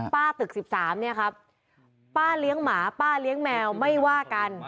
ป้าตึก๑๓นี่ครับป่าเลี้ยงหมาแมวไม่ว่ากัน